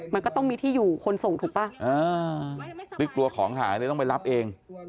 มันก็ต้องมีที่อยู่คนส่งถูกป่ะหรือกลัวของหายเลยต้องไปรับเอง